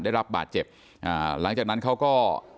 ได้รับบาดเจ็บอ่าหลังจากนั้นเขาก็